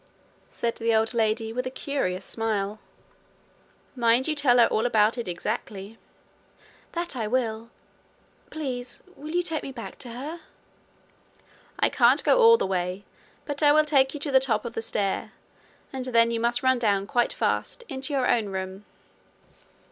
said the old lady with a curious smile. 'Mind you tell her all about it exactly.' 'That I will. Please will you take me back to her?' 'I can't go all the way, but I will take you to the top of the stair, and then you must run down quite fast into your own room.'